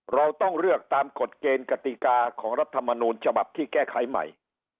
เราต้องเลือกตามกฎเกณฑ์กติกาของรัฐมนูลฉบับที่แก้ไขใหม่